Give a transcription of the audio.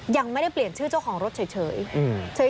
ยังไม่ได้เปลี่ยนชื่อเจ้าของรถเฉย